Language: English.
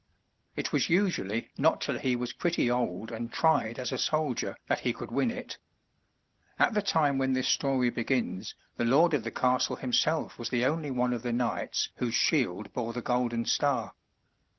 It was usually not till he was pretty old and tried as a soldier that he could win it. At the time when this story begins, the lord of the castle himself was the only one of the knights whose shield bore the golden star.